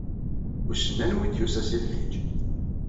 Wissen anwa i d-yusa si Lḥiǧ?